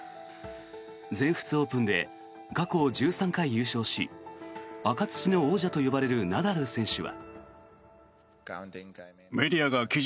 全仏オープンで過去１３回優勝し赤土の王者と呼ばれるナダル選手は。